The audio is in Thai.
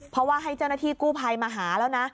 เพราะว่าให้เจ้าหน้าที่กู้ภัยมาหาแล้วนะ